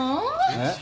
えっ？